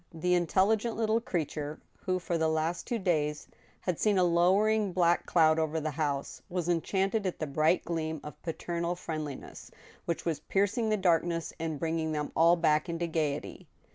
The intelligent little creat ure, who, for the last two days, had seen a lowering black cloud over the house, was enchanted at the bright gleam of paternal friend liness which was piercing the darkness and bringing them all back into gayety.